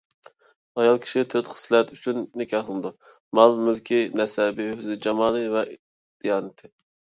ئايال كىشى تۆت خىسلەت ئۈچۈن نىكاھلىنىدۇ: مال-مۈلكى، نەسەبى، ھۆسن-جامالى ۋە دىيانىتى.